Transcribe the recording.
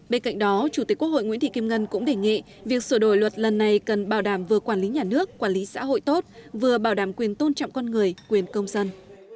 bên cạnh đó chủ tịch quốc hội nguyễn thị kim ngân cũng đề nghị việc sửa đổi luật lần này cần bảo đảm vừa quản lý nhà nước quản lý xã hội tốt vừa bảo đảm quyền tôn trọng con người quyền công dân